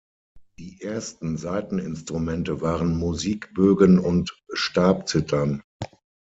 Die ersten Saiteninstrumente waren Musikbögen und Stabzithern.